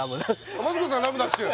あっマツコさんラムダッシュ？